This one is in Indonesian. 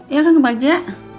iya kang banja